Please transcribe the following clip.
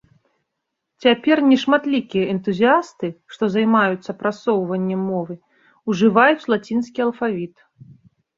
Цяпер нешматлікія энтузіясты, што займаюцца прасоўваннем мовы, ужываюць лацінскі алфавіт.